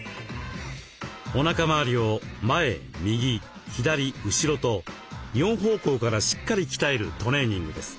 おなか回りを前右左後ろと４方向からしっかり鍛えるトレーニングです。